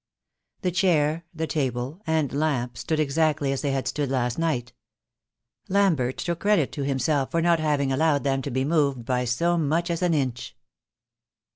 The chair, the table, and lamp stood exactly as they had stood last night. Lambert took credit to himself for not having allowed them to be moved by so much as an inch.